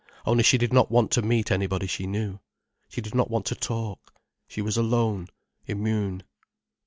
Only she did not want to meet anybody she knew. She did not want to talk. She was alone, immune.